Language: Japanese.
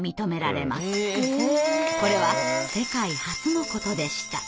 これは世界初のことでした。